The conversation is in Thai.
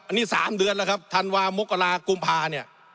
อันนี้๓เดือนแล้วครับธันวามกรากุมภาเนี่ย